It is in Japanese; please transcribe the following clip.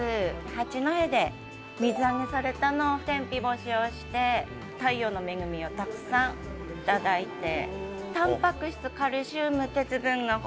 八戸で水揚げされたのを天日干しをして太陽の恵みをたくさん頂いて。